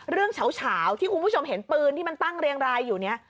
เฉาที่คุณผู้ชมเห็นปืนที่มันตั้งเรียงรายอยู่เนี่ย